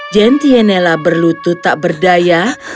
gentienela berlutut tak berdaya